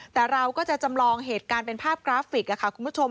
แต่เราก็จะจำลองเหตุการณ์เป็นภาพกราฟิกค่ะคุณผู้ชม